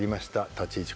立ち位置